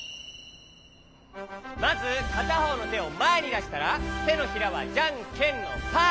まずかたほうのてをまえにだしたらてのひらはジャンケンのパー。